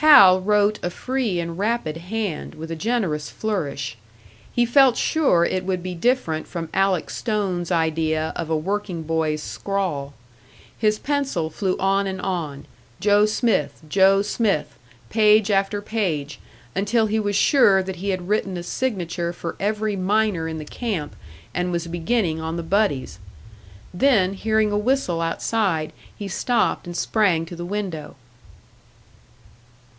Hal wrote a free and rapid hand, with a generous flourish; he felt sure it would be different from Alec Stone's idea of a working boy's scrawl. His pencil flew on and on "Joe Smith Joe Smith " page after page, until he was sure that he had written a signature for every miner in the camp, and was beginning on the buddies. Then, hearing a whistle outside, he stopped and sprang to the window.